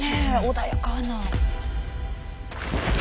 穏やかな。